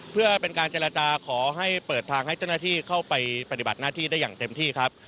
เพื่อเป็นการเจรจาขอให้เปิดทางให้เจ้าหน้าที่เข้าไปปฏิบัติหน้าที่ได้อย่างเต็มที่ครับ